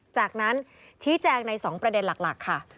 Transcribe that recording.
จากนั้นชี้แจงใน๒ประเด็นหลักค่ะ